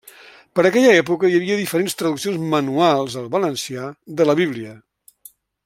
Per aquella època hi havia diferents traduccions manuals al valencià de la Bíblia.